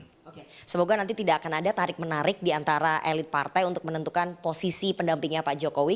oke semoga nanti tidak akan ada tarik menarik di antara elit partai untuk menentukan posisi pendampingnya pak jokowi